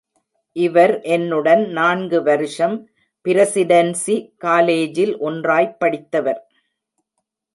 இவர் என்னுடன் நான்கு வருஷம் பிரசிடென்சி காலேஜில் ஒன்றாய்ப் படித்தவர்.